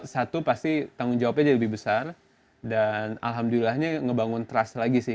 satu pasti tanggung jawabnya jadi lebih besar dan alhamdulillahnya ngebangun trust lagi sih